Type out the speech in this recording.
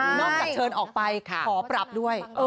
นอกจากเชิญออกไปขอปรับด้วย